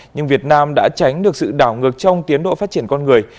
nhưng việt nam đã tránh được sự đảo ngược trong tiến độ phát triển con người